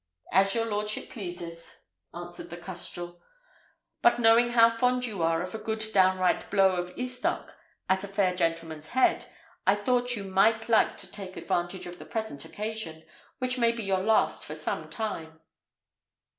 "As your lordship pleases," answered the custrel; "but knowing how fond you are of a good downright blow of estoc at a fair gentleman's head, I thought you might like to take advantage of the present occasion, which may be your last for some time."